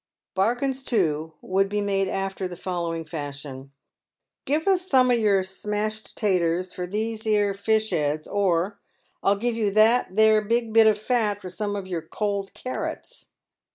Bargains, too, would be made after the following fashion :" Grive us some of your smashed taters for these here fish 'eads;" or, "I'll give you that there big bit of fat for some of your cold carrots."